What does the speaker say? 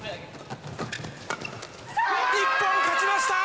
日本、勝ちました。